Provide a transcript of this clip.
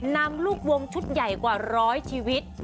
นำลูกวงชุดใหญ่กว่าร้อยชีวิต